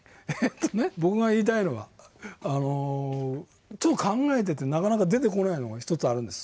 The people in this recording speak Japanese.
僕が言いたいのはちょっと考えててなかなか出てこないのが一つあるんです。